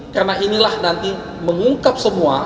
karena inilah nanti mengungkap semua